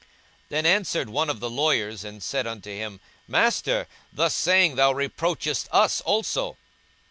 42:011:045 Then answered one of the lawyers, and said unto him, Master, thus saying thou reproachest us also.